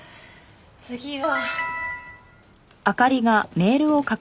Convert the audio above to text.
次は。